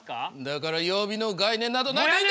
だから曜日の概念などないと。